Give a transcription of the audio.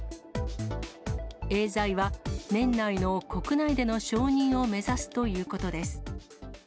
エーザイは、年内の国内での承認を目指すということです。